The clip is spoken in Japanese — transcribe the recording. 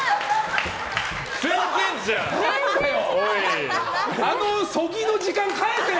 全然じゃん。